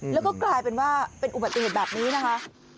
แล้วก็กลายเป็นว่าเป็นอุบัติเหตุแบบนี้นะคะ